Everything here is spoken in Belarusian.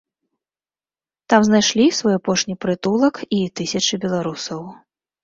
Там знайшлі свой апошні прытулак і тысячы беларусаў.